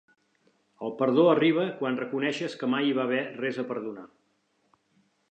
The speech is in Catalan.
El perdó arriba quan reconeixes que mai hi va haver res a perdonar.